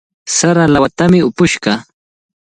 Sara lawatami upush kaa.